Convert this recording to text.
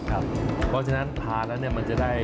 เพราะฉะนั้นทานแล้วมันจะได้